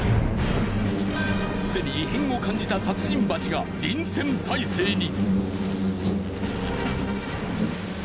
すでに異変を感じた殺人バチが臨戦態勢に。